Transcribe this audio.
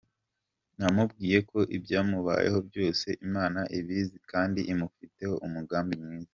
Namubwiye ko ibyamubayeho byose Imana ibizi kandi imufiteho umugambi mwiza.